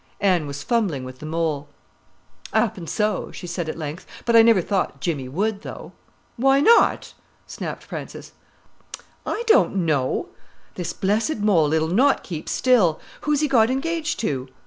Anne was fumbling with the mole. "'Appen so," she said at length; "but I never thought Jimmy would, though." "Why not?" snapped Frances. "I don't know—this blessed mole, it'll not keep still!—who's he got engaged to?"